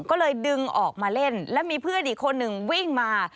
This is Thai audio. ก็เลยดึงออกมาเล่นแล้วมีเพื่อนอีกคนหนึ่งวิ่งมา